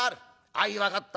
相分かったか。